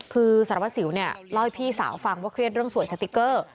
คือสารวัสสิวเนี่ยเล่าให้พี่สาวฟังว่าเครียดเรื่องสวยสติ๊กเกอร์